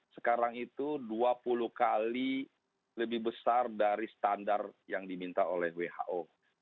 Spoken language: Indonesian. sekarang itu dua puluh kali lebih besar dari standar yang diminta oleh who